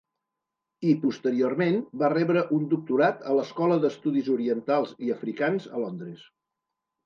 I posteriorment va rebre un doctorat a l'Escola d'Estudis Orientals i Africans a Londres.